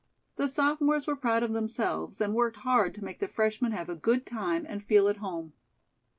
The sophomores were proud of themselves and worked hard to make the freshmen have a good time and feel at home.